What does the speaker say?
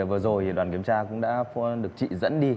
vừa rồi đoàn kiểm tra cũng đã được chị dẫn đi